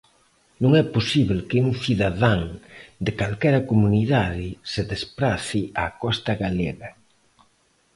Non é posíbel que un cidadán de calquera comunidade se desprace á costa galega.